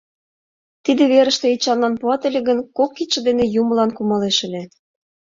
Тиде верыште Эчанлан пуат ыле гын, кок кидше дене юмылан кумалеш ыле.